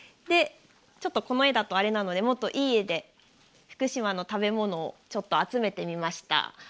ちょっと、この絵だとあれなのでもっといい絵で福島の食べ物を集めてみました。